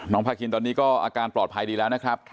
พาคินตอนนี้ก็อาการปลอดภัยดีแล้วนะครับ